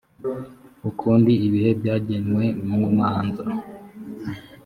ukundi ibihe byagenwe mu manza